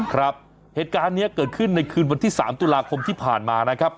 ครับเหตุการณ์นี้เกิดขึ้นในคืนวันที่๓ตุลาคมที่ผ่านมานะครับ